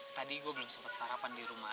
tadi gue belum sempat sarapan di rumah